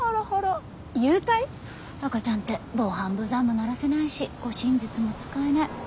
赤ちゃんって防犯ブザーも鳴らせないし護身術も使えない。